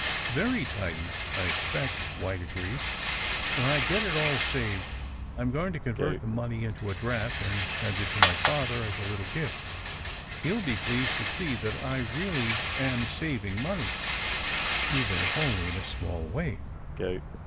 ^^ Very tidy, I expect, '' White agreed. '' When I get it all saved I'm going to convert the money into a draft and send it to my father as a little gift. He'll be pleased to see that I really am saving money, even if only in a small way.